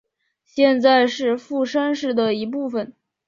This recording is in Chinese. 现在是富山市的一部分。